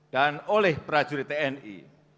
dan oleh perajurit tni